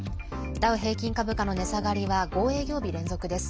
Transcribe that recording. ダウ平均株価の値下がりは５営業日連続です。